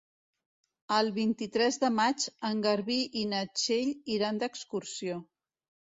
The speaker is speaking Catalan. El vint-i-tres de maig en Garbí i na Txell iran d'excursió.